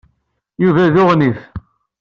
Yuba d uɣnif.